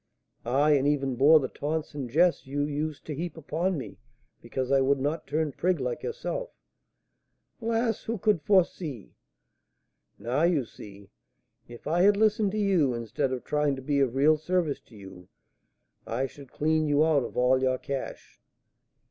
"Ay, and even bore the taunts and jests you used to heap upon me, because I would not turn prig like yourself." "Alas! who could foresee?" "Now, you see, if I had listened to you, instead of trying to be of real service to you, I should clean you out of all your cash."